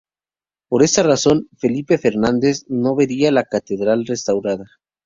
Por esta razón, Felipe Fernández no vería la catedral restaurada.